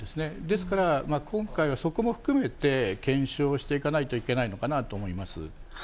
ですから、今回はそこも含めて、検証していかないといけないのかなと思います。